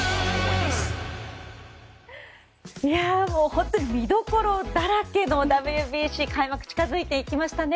本当に見どころだらけのＷＢＣの開幕が近づいてきましたね。